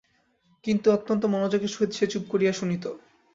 কিন্তু অত্যন্ত মনোযোগের সহিত সে চুপ করিয়া শুনিত।